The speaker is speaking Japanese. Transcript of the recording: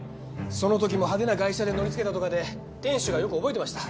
その時も派手な外車で乗りつけたとかで店主がよく覚えてました。